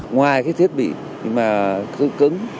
ngoài cái thiết bị mà cứ cứng